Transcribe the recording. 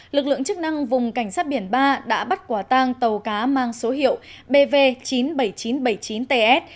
lực lượng chức năng vùng cảnh sát biển ba đã bắt quả tang tàu cá mang số hiệu bv chín mươi bảy nghìn chín trăm bảy mươi chín ts